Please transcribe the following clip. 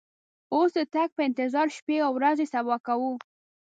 اوس د تګ په انتظار شپې او ورځې صبا کوو.